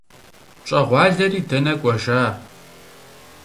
ПщӀэгъуалэри дэнэ кӀуэжа?